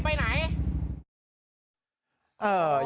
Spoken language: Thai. ไปไหน